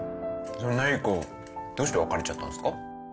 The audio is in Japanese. そんないい子どうして別れちゃったんすか？